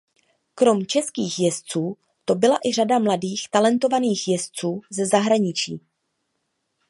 Krom českých jezdců to byla i řada mladých talentovaných jezdců ze zahraničí.